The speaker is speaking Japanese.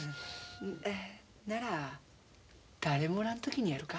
なら誰もおらん時にやるか。